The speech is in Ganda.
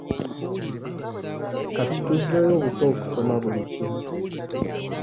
Kati tuzzeeyo buto okusoma buli kimu.